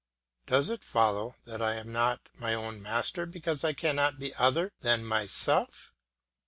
Does it follow that I am not my own master because I cannot be other than myself?